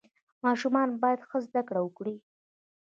ماشومان باید ښه زده کړه وکړي.